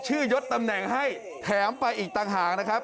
ยดตำแหน่งให้แถมไปอีกต่างหากนะครับ